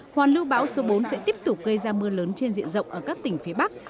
hoàn lưu bão số bốn sẽ tiếp tục gây ra mưa lớn trên diện rộng ở các tỉnh phía bắc